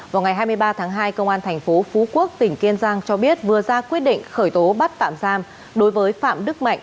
vào ngày hai mươi ba tháng hai công an thành phố phú quốc tỉnh kiên giang cho biết vừa ra quyết định khởi tố bắt tạm giam đối với phạm đức mạnh